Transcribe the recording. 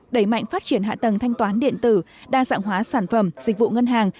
đẩy mạnh phát triển hạ tầng thanh toán điện tử đa dạng hóa sản phẩm dịch vụ ngân hàng